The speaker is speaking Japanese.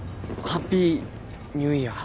ハッピーニューイヤー。